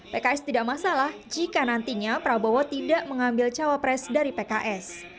pks tidak masalah jika nantinya prabowo tidak mengambil cawapres dari pks